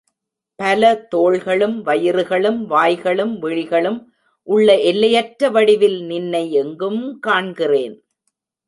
பல தோள்களும், வயிறுகளும், வாய்களும், விழிகளும் உள்ள எல்லையற்ற வடிவில் நின்னை எங்கும் காண்கிறேன்.